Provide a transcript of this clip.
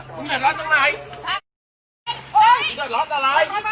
กระตาดร้อนอะไร